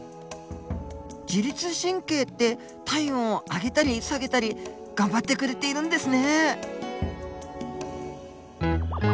自律神経って体温を上げたり下げたり頑張ってくれているんですね。